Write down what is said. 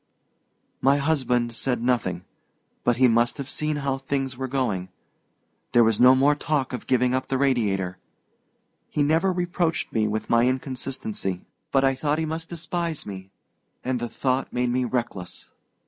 "My husband said nothing, but he must have seen how things were going. There was no more talk of giving up the Radiator. He never reproached me with my inconsistency, but I thought he must despise me, and the thought made me reckless.